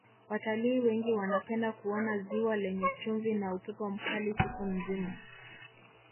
watalii wengi wanapenda kuona ziwa lenye chumvi na upepo mkali siku nzima